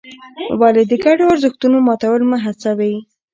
ولې د ګډو ارزښتونو ماتول مه هڅوې؟